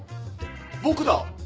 僕だ！